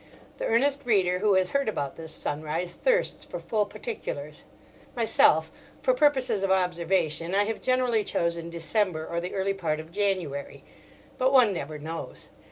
The earnest reader who has heard about this sunrise thirsts for full particulars. Myself, for purposes of observation, I have generally chosen December or the early part of January. But one never knows.